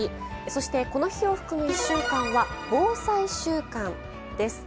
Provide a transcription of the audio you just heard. そして、この日を含む１週間は防災週間です。